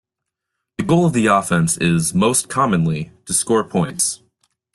The goal of the offense is, most commonly, to score points.